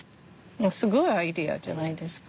すごいアイデアじゃないですか。